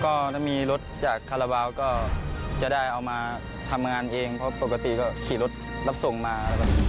ก็ถ้ามีรถจากคาราบาลก็จะได้เอามาทำงานเองเพราะปกติก็ขี่รถรับส่งมา